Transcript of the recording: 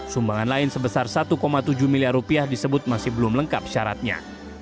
sumbangan lain sebesar satu tujuh miliar rupiah disebut masih belum lengkap syaratnya